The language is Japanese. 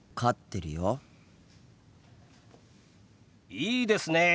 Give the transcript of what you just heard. いいですねえ。